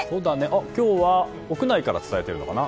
今日は屋内から伝えているのかな。